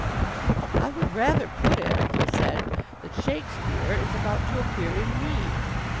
"I would rather put it," he said, "that Shakespeare is about to appear in me."